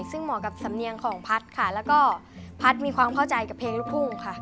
ซึ่งเหมาะกับสำเนียงของพัฒน์ค่ะแล้วก็พัดมีความเข้าใจกับเพลงลูกทุ่งค่ะ